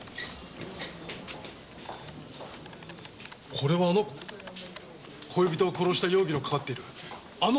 これはあの子恋人を殺した容疑のかかっているあの女じゃないか！